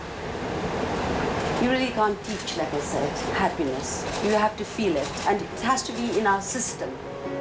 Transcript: สุขยักษ์เลยเธอนมีว่าเราต้องรู้สึก